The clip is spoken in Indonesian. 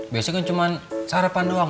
biasanya kan cuman sarapan doang